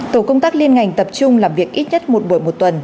tổ công tác liên ngành tập trung làm việc ít nhất một buổi một tuần